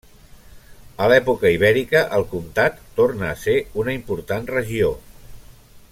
A l'època ibèrica el Comtat torna a ser una important regió.